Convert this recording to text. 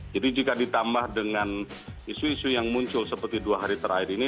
jadi jika ditambah dengan isu isu yang muncul seperti dua hari terakhir ini